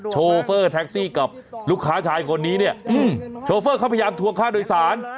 โชเฟอร์แท็กซี่กับลูกค้าชายคนนี้เนี่ยโชเฟอร์เขาพยายามทวงค่าโดยสาร